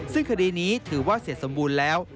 ซึ่งคดีนี้ถือว่าเสร็จสมบูรณ์แล้ว